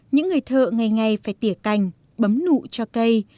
những người thợ ngày ngày phải tỉa cành bấm nụ cho cây